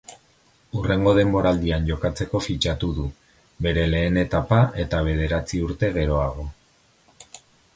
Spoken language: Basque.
Hurrengo denboraldian jokatzeko fitxatu du, bere lehen etapa eta bederatzi urte geroago.